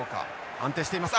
安定しています。